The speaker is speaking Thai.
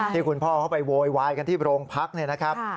ที่คุณพ่อเขาไปโวยวายกันที่โรงพักเนี่ยนะครับ